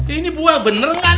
ini dua beneran ah